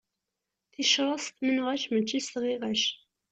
Ticraḍ s tmenɣac, mačči s tɣiɣac.